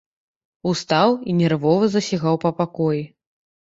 Устаў і нервова засігаў па пакоі.